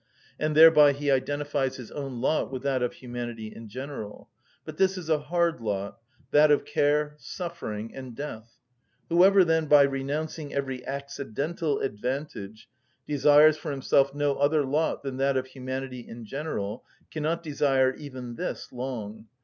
And thereby he identifies his own lot with that of humanity in general; but this is a hard lot, that of care, suffering, and death. Whoever, then, by renouncing every accidental advantage, desires for himself no other lot than that of humanity in general cannot desire even this long.